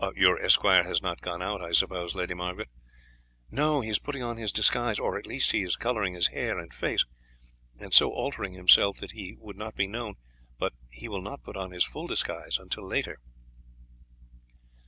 Your esquire has not gone out, I suppose, Lady Margaret?" "No, he is putting on his disguise at least, he is colouring his hair and face, and so altering himself that he would not be known; but he will not put on his full disguise until later."